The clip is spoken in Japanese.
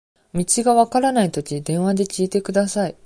道がわからないとき、電話で聞いてください。